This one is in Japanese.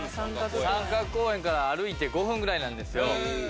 三角公園から歩いて５分ぐらいなんですよ。